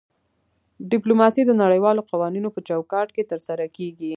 ډیپلوماسي د نړیوالو قوانینو په چوکاټ کې ترسره کیږي